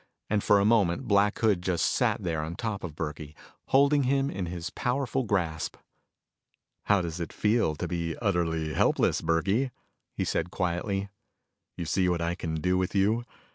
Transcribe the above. And for a moment Black Hood just sat there on top of Burkey, holding him in his powerful grasp. "How does it feel to be utterly helpless, Burkey?" he said quietly. "You see what I can do with you?